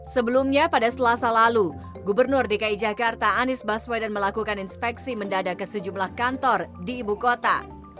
sebelumnya pada selasa lalu gubernur dki jakarta anies baswedan melakukan inspeksi mendadak ke sejumlah kantor di ibu kota